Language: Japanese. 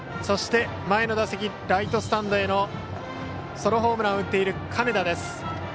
そして、前の打席ライトスタンドへのソロホームランを打っている金田です。